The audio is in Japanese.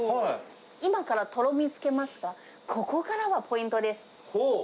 今からとろみつけますが、ここからがポイントです。